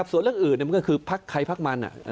ส่วนเรื่องอื่นมันก็คือพักใครพักมัน